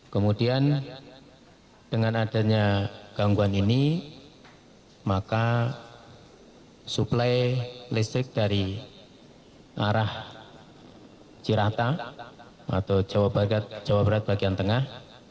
kemudian dengan adanya gangguan ini maka suplai listrik dari arah cirata atau jawa barat jawa barat bagian tengah